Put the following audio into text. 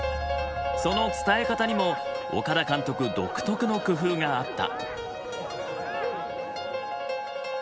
その伝え方にも岡田監督独特の工夫があった。